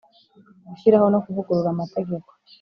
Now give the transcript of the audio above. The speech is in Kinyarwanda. Gushyiraho no kuvugurura amategeko